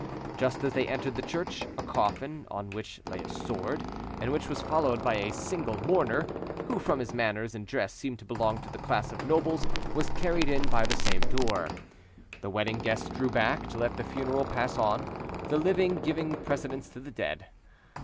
Just as they entered the church, a coffin, on which lay a sword, and which was followed by a single mourner, who from his manners and dress seemed to belong to the class of nobles, was carried in by the same door. The wedding guests drew back to let the funeral pass on, the living giving precedence to the dead.